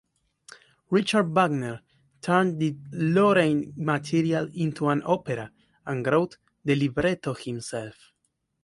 Richard Wagner turned the Lohengrin material into an opera and wrote the libretto himself.